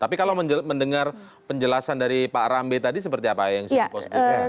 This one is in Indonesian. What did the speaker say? tapi kalau mendengar penjelasan dari pak arambe tadi seperti apa ya yang sisi positifnya